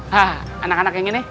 hah anak anak yang ini